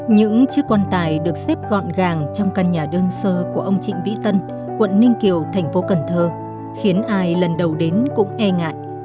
những chiếc quan tài được xếp gọn gàng trong căn nhà đơn sơ của ông trịnh vĩ tân quận ninh kiều thành phố cần thơ khiến ai lần đầu đến cũng e ngại